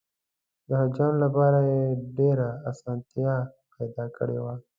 د حاجیانو لپاره یې ډېره اسانتیا پیدا کړې وه.